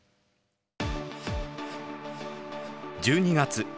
１２月。